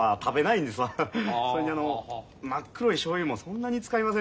それにあの真っ黒いしょうゆもそんなに使いませんし。